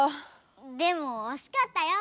でもおしかったよ。